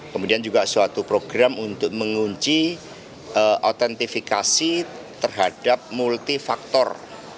kemudian juga suatu program untuk mengunci autentifikasi terhadap multifaktor